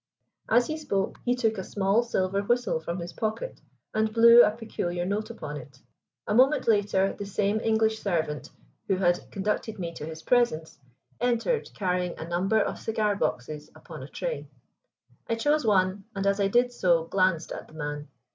As he spoke he took a small silver whistle from his pocket, and blew a peculiar note upon it. A moment later the same English servant who had conducted me to his presence, entered, carrying a number of cigar boxes upon a tray. I chose one, and as I did so glanced at the man.